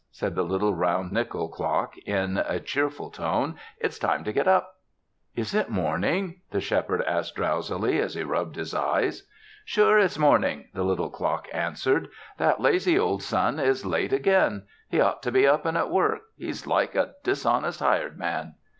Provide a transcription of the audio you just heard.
said the little round nickel clock in a cheerful tone. "It's time to get up!" "Is it morning?" the Shepherd asked drowsily, as he rubbed his eyes. "Sure it's morning!" the little clock answered. "That lazy old sun is late again. He ought to be up and at work. He's like a dishonest hired man."